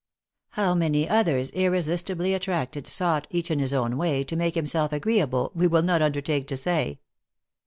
How many others, irresistibly attracted, sought, each in his own way, to make himself agreeable, we will not undertake to say.